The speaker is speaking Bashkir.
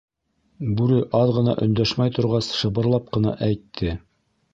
Бүре, аҙ ғына өндәшмәй торғас, шыбырлап ҡына әйтте: